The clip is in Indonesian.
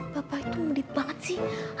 bapak itu menit banget sih